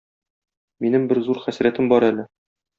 Минем бер зур хәсрәтем бар әле.